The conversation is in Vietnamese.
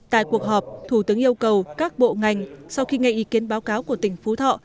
tại cuộc họp thủ tướng yêu cầu các bộ ngành sau khi nghe ý kiến báo cáo của tỉnh phú thọ